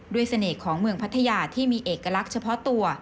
เสน่ห์ของเมืองพัทยาที่มีเอกลักษณ์เฉพาะตัว